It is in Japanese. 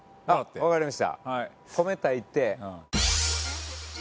わかりました。